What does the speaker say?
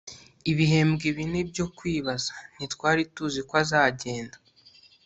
ibihembwe bine byo kwibaza, ntitwari tuzi ko azagenda